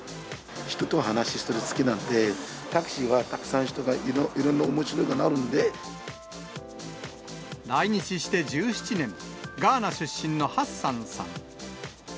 人とお話しするの好きなんで、タクシーはたくさん人が、来日して１７年、ガーナ出身のハッサンさん。